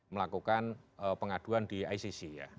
melakukan pengaduan di icc ya